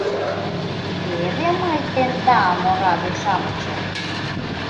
— Теве мый, тендам, ораде-шамычым!